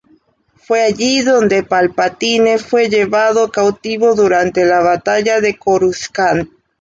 Fue allí donde Palpatine fue llevado cautivo durante la batalla de Coruscant.